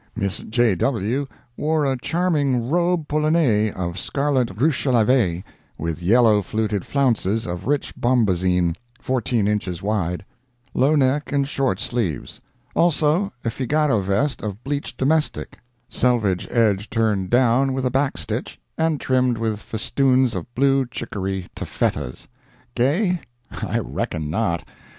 Miss J. W. wore a charming robe polonais of scarlet ruche a la vieille, with yellow fluted flounces of rich bombazine, fourteen inches wide; low neck and short sleeves; also a Figaro veste of bleached domestic—selvedge edge turned down with a back stitch, and trimmed with festoons of blue chicoree taffetas—gay?—I reckon not.